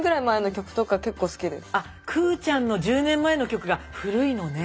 くぅちゃんの１０年前の曲が古いのね。